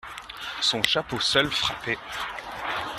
Son chapeau seul frappait.